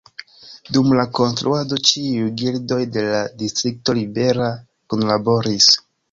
Dum la konstruado ĉiuj gildoj de la distrikto Ribera kunlaboris.